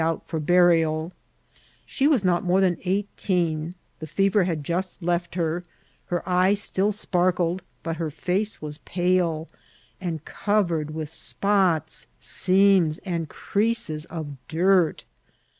out for burials She was not more than eighteen; the fever had just left her, her eye still sparkled, but her face was pale, and covered with spots, seams, and creases of dirt.